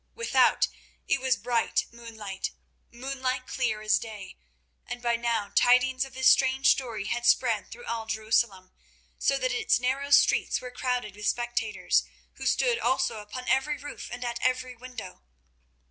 Without it was bright moonlight, moonlight clear as day, and by now tidings of this strange story had spread through all Jerusalem, so that its narrow streets were crowded with spectators, who stood also upon every roof and at every window.